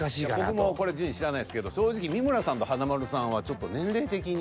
僕もこれ順位知らないですけど正直三村さんと華丸さんはちょっと年齢的に。